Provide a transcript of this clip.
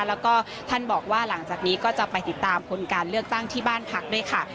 แล้วก็ท่านบอกว่าหลังจากนี้ก็จะไปติดตามผลการเลือกตั้งที่บ้านพักด้วยค่ะ